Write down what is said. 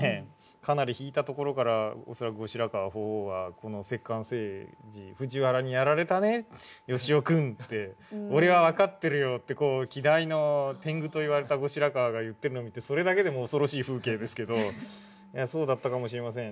かなり引いたところから恐らく後白河法皇はこの摂関政治「藤原にやられたね善男君」って「俺は分かってるよ」って希代の天狗といわれた後白河が言ってるのを見てそれだけでも恐ろしい風景ですけどそうだったかもしれません。